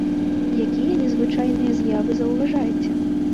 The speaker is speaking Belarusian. Якія незвычайныя з'явы заўважаеце?